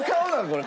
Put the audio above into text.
これ。